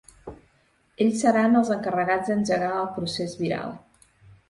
Ells seran els encarregats d’engegar el procés viral.